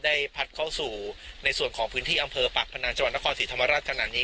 พัดเข้าสู่ในส่วนของพื้นที่อำเภอปากพนังจังหวัดนครศรีธรรมราชขนาดนี้